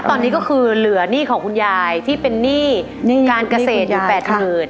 ตอนนี้ก็คือเหลือหนี้ของคุณยายที่เป็นหนี้การเกษตรอยู่๘๐๐๐บาท